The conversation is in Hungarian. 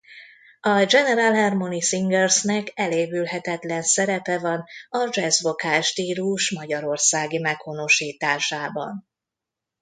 A General Harmony Singers-nek elévülhetetlen szerepe van a jazz-vocal stílus magyarországi meghonosításában.